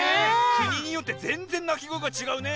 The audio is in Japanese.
国よってぜんぜんなきごえがちがうね。